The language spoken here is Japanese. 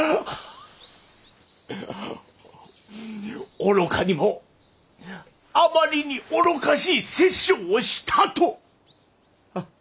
愚かにもあまりに愚かしい殺生をしたと。